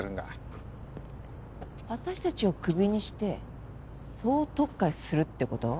私たちをクビにして総とっかえするって事？